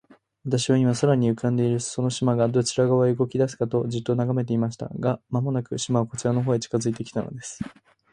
私は、今、空に浮んでいるその島が、どちら側へ動きだすかと、じっと眺めていました。が、間もなく、島はこちらの方へ近づいて来たのです。